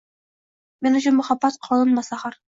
Men uchun muhabbat — qonunmas axir